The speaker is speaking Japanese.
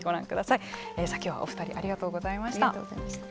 さあ今日はお二人ありがとうございました。